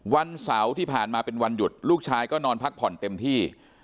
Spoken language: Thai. วันเสาร์ที่ผ่านมาเป็นวันหยุดลูกชายก็นอนพักผ่อนเต็มที่